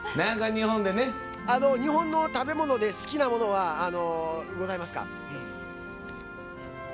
日本の食べ物で好きなものはございますか？